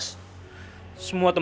semua temen temen aku juga pada bingung